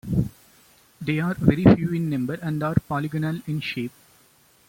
They are very few in number and are polygonal in shape.